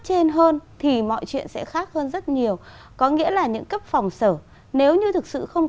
trên hơn thì mọi chuyện sẽ khác hơn rất nhiều có nghĩa là những cấp phòng sở nếu như thực sự không